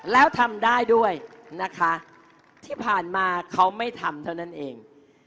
แล้วทำได้ด้วยนะคะที่ผ่านมาเขาไม่ทำเท่านั้นเอง